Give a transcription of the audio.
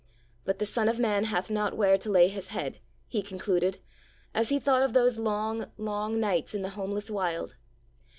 'But the Son of Man hath not where to lay His head,' He concluded, as He thought of those long, long nights in the homeless Wild.